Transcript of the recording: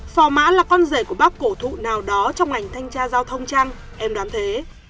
phỏ má là con rể của bác cổ thụ nào đó trong ngành thanh tra giao thông chăng em đoán thế